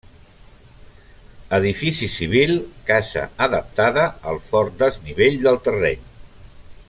Edifici civil, casa adaptada al fort desnivell del terreny.